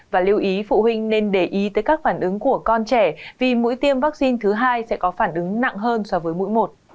và lưu ý phụ huynh nên để ý tới các phản ứng của con trẻ vì mũi tiêm vaccine thứ hai sẽ có phản ứng nặng hơn so với mũi một